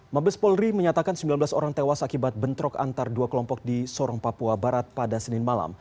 mabes polri menyatakan sembilan belas orang tewas akibat bentrok antar dua kelompok di sorong papua barat pada senin malam